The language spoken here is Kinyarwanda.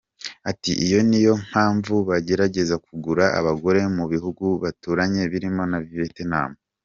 Ati “ Iyo niyo mpamvu bagerageza kugura abagore mu bihugu baturanye birimo na Vietnam.